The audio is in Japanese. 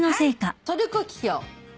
トルコギキョウ。